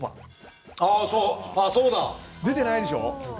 出てないでしょう？